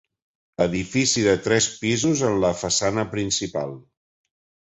Edifici de tres pisos en la façana principal.